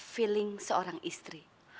feeling seorang istri